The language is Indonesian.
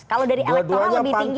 kalau dari elektoral lebih tinggi